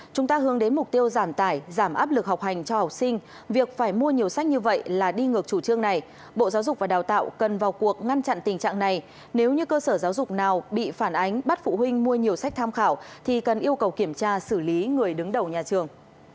chúng ta hướng đến mục tiêu giảm tải giảm áp lực học hành cho học sinh việc phải mua nhiều sách như vậy là đi ngược chủ trương này bộ giáo dục và đào tạo cần vào cuộc ngăn chặn tình trạng này nếu như cơ sở giáo dục nào bị phản ánh bắt phụ huynh mua nhiều sách tham khảo thì cần yêu cầu kiểm tra xử lý người đứng đầu nhà trường